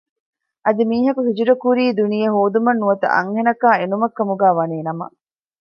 އަދި މީހަކު ހިޖުރަ ކުރީ ދުނިޔެ ހޯދުމަށް ނުވަތަ އަންހެނަކާ އިނުމަށް ކަމުގައި ވަނީ ނަމަ